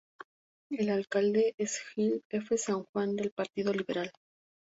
El alcalde es Gil F. San Juan del Partido Liberal.